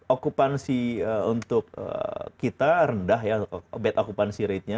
okupansi untuk kita rendah ya bed okupansi ratenya